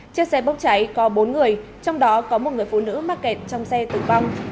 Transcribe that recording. chiếc xe bốc cháy có bốn người trong đó có một người phụ nữ mắc kẹt trong xe tử vong